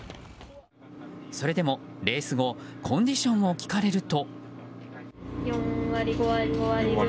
それでもレース後コンディションを聞かれると。